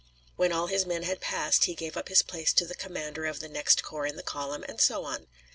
When all his men had passed, he gave up his place to the commander of the next corps in the column, and so on.